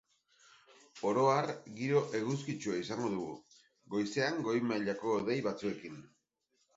Oro har giro eguzkitsua izango dugu, goizean goi mailako hodei batzuekin.